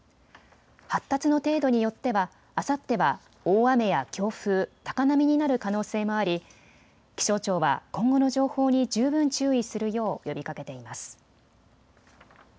発達の程度によってはあさっては大雨や強風、高波になる可能性もあり気象庁は今後の情報に十分注意するよう呼びかけています。